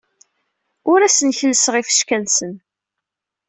Ur asen-kellseɣ ifecka-nsen.